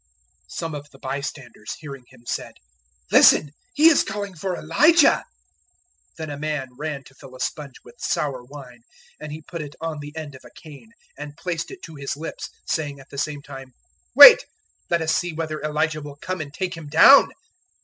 015:035 Some of the bystanders, hearing Him, said, "Listen, he is calling for Elijah!" 015:036 Then a man ran to fill a sponge with sour wine, and he put it on the end of a cane and placed it to His lips, saying at the same time, "Wait! let us see whether Elijah will come and take him down."